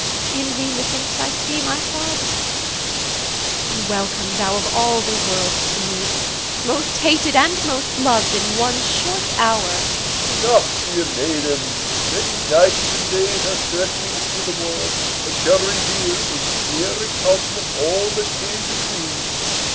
in thee methinks I see my father. O welcome! thou of all the world to me Most hated and most loved in one short hour. OLD M. Enough, dear maiden! Many nights and days Are circling hitherward, that shall reveal In clear recountment all that came between.